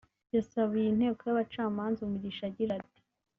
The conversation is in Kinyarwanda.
yasabiye inteko y’abacamanza umugisha agira ati